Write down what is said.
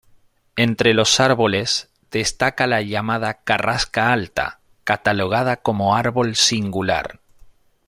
Entre los árboles destaca la llamada carrasca alta, catalogada como árbol singular.